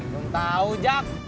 gak tau jak